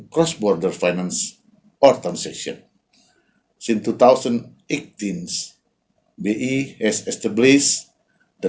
keuangan atau transaksi di luar kawasan